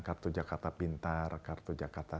kartu jakarta pintar kartu jakarta